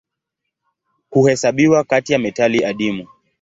Huhesabiwa kati ya metali adimu.